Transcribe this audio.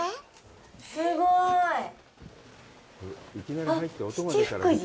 すごい。